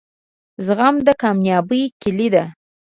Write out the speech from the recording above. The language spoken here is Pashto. زغم دکامیابۍ کیلي ده